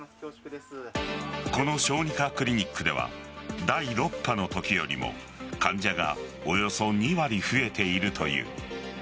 この小児科クリニックでは第６波のときよりも患者がおよそ２割増えているという。